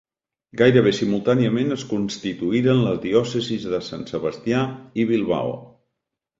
Gairebé simultàniament es constituïren les diòcesis de Sant Sebastià i Bilbao.